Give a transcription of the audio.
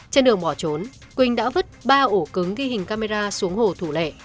trên đường bỏ trốn quỳnh đã vứt ba ổ cứng ghi hình camera xuống hồ thủ lệ